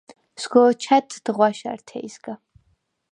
სგო̄ჩა̈დდ ღვაშა̈რთე̄ჲსგა.